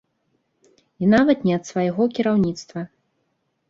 І нават не ад свайго кіраўніцтва.